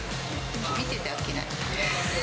見てて飽きない。